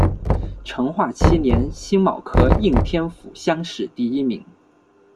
成化七年辛卯科应天府乡试第一名。